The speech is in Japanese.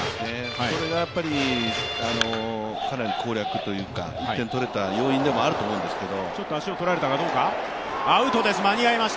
それがかなり攻略というか、点を取れた要因でもあると思いますけど。